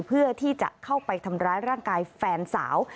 เพื่อที่จะเข้าไปทำร้ายร่างกายแฟนสาว